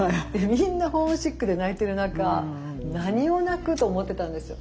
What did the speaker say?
みんなホームシックで泣いてる中「何を泣く？」と思ってたんですよ。